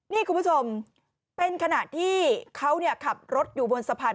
นี่คุณผู้ชมเป็นขณะที่เขาขับรถอยู่บนสะพาน